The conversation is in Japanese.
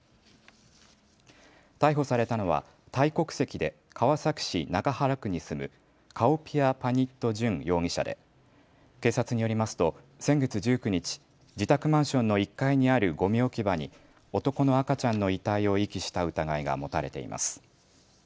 逮捕されたのはタイ国籍で川崎市中原区に住むカオピアパニット・ジュン容疑者で警察によりますと先月１９日、自宅マンションの１階にあるごみ置き場に男の赤ちゃんの遺体を遺棄した疑いが持たれています。